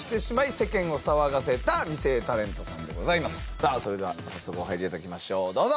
さぁそれでは早速お入りいただきましょうどうぞ！